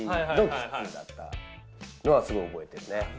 すごい覚えてるね。